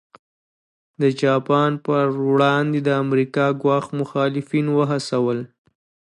د جاپان پر وړاندې د امریکا ګواښ مخالفین وهڅول.